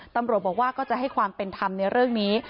ตำรวจบอกว่าก็จะให้ความเป็นธรรมในเรื่องนี้